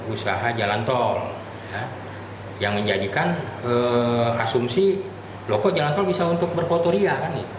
usaha jalan tol yang menjadikan asumsi loh kok jalan tol bisa untuk berfotoria